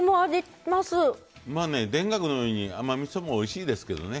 まあね田楽のように甘みそもおいしいですけどね。